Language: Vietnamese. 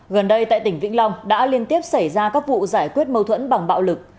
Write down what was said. gần đây tại tỉnh vĩnh long đã liên tiếp xảy ra các vụ giải quyết mâu thuẫn bằng bạo lực